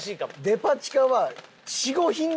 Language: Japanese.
デパ地下は。